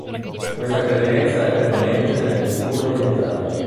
Questa credenza è prevalente nelle culture orientali.